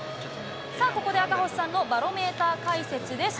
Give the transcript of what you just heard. さあ、ここで赤星さんのバロメーター解説です。